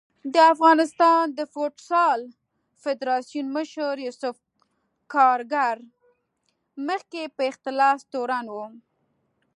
د افغانستان د فوټبال فدارسیون مشر یوسف کارګر مخکې په اختلاس تورن و